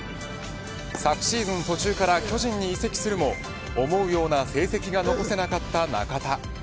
昨シーズン途中から巨人に移籍するも思うような成績が残せなかった中田。